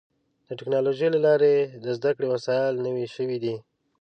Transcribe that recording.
د ټکنالوجۍ له لارې د زدهکړې وسایل نوي شوي دي.